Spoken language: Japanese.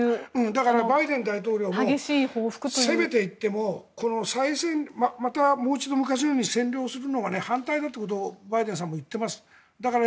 だからバイデン大統領も攻めていってもまたもう一度昔のように占領するのは反対だとバイデンさんも言っています。